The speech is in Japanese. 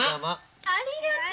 ありがとう。